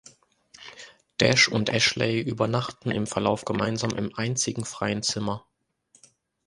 Dash und Ashley übernachten im Verlauf gemeinsam im einzigen freien Zimmer.